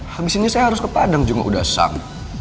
habis ini saya harus ke padang juga udah sang